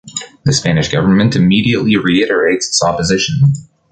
The Spanish government immediately reiterates its opposition.